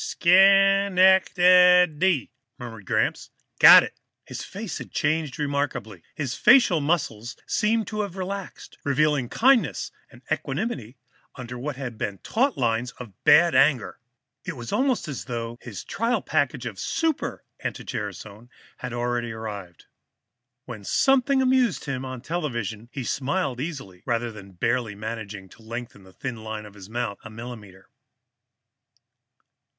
"Schen ec ta dy," murmured Gramps. "Got it!" His face had changed remarkably. His facial muscles seemed to have relaxed, revealing kindness and equanimity under what had been taut lines of bad temper. It was almost as though his trial package of Super anti gerasone had already arrived. When something amused him on television, he smiled easily, rather than barely managing to lengthen the thin line of his mouth a millimeter.